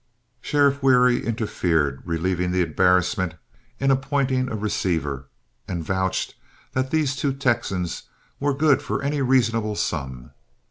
Sheriff Wherry interfered, relieving the embarrassment in appointing a receiver, and vouched that these two Texans were good for any reasonable sum.